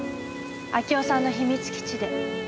明夫さんの秘密基地で。